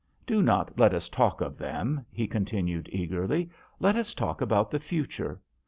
Do not let us talk of them," he con tinued, eagerly. " Let us talk about the future.